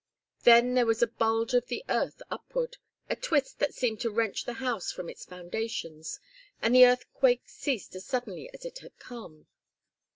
Then, there was a bulge of the earth upward, a twist that seemed to wrench the house from its foundations, and the earthquake ceased as suddenly as it had come.